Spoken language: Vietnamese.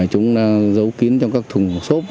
chúng giấu kín trong các thùng sốt